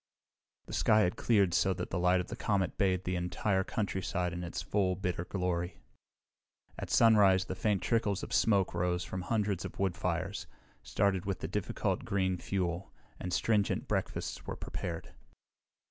The sky had cleared so that the light of the comet bathed the entire countryside in its full, bitter glory. At sunrise the faint trickles of smoke rose from hundreds of wood fires, started with the difficult green fuel, and stringent breakfasts were prepared.